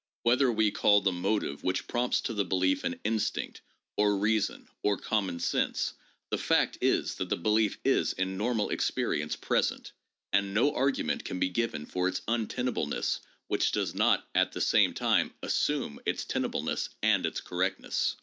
Whether we call the motive which prompts to the belief an instinct, or reason, or common sense, the fact is that the belief is in normal experience present ; and no argument can be given for its untenableness which does not at the same time assume its tenableness and its correctness.